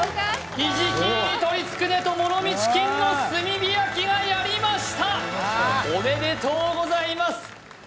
ひじき入り鶏つくねともろみチキンの炭火焼きがやりましたおめでとうございます！